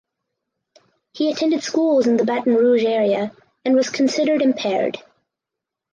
He attended schools in the Baton Rouge area and was considered impaired.